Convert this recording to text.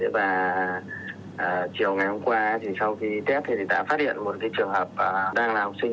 và chiều ngày hôm qua sau khi test thì đã phát hiện một trường hợp đang là học sinh